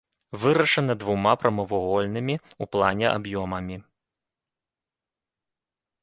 Вырашана двума прамавугольнымі ў плане аб'ёмамі.